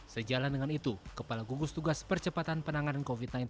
sejalan dengan itu kepala gugus tugas percepatan penanganan covid sembilan belas